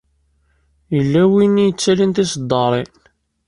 Yella win i yettalin tiseddaṛin.